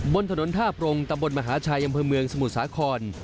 บนถนนท่าปรงตำบลมหาชัยอำเภอเมืองสมุทรสาคร